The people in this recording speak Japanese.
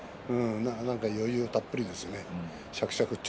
余裕たっぷりですよね